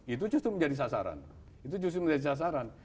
itu justru menjadi sasaran